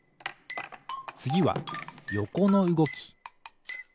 つぎはよこのうごき。